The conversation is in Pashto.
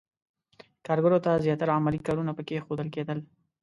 کارګرو ته زیاتره عملي کارونه پکې ښودل کېدل.